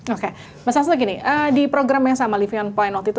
oke mas asto gini di program yang sama livian point waktu itu